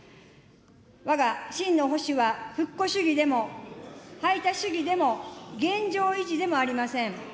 わが、真の保守は、復古主義でも、排他主義でも現状維持でもありません。